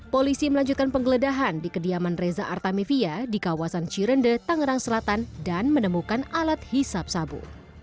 polisi melanjutkan penggeledahan di kediaman reza artamevia di kawasan cirende tangerang selatan dan menemukan alat hisap sabu